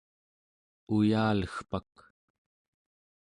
uyalegpak